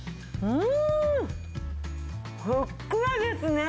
ふっくらですね。